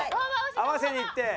合わせにいって。